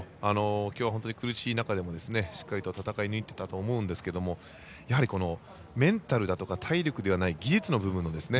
今日は本当に苦しい中でもしっかりと戦い抜いていたと思うんですけどやはりメンタルだとか体力でない技術の部分ですね。